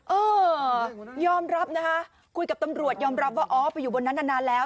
เออยอมรับนะคะคุยกับตำรวจยอมรับว่าอ๋อไปอยู่บนนั้นนานแล้ว